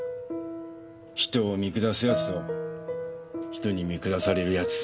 人を見下す奴と人に見下される奴。